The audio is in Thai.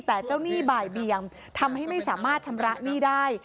แต่เจ้าหนี้บ่ายเบียงทำให้ไม่สามารถชำระหนี้ได้